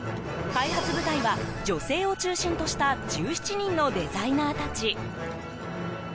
開発部隊は女性を中心とした１７人のデザイナーたち。